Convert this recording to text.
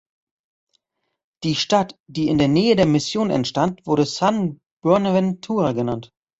Die Stadt, die in der Nähe der Mission entstand, wurde "San Buenaventura" genannt.